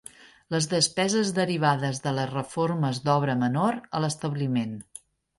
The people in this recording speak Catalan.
Les despeses derivades de les reformes d'obra menor a l'establiment.